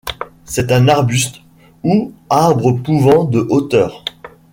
C'est un arbuste ou arbre pouvant de hauteur.